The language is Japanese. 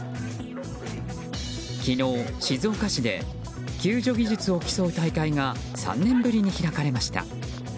昨日、静岡市で救助技術を競う大会が３年ぶりに開かれました。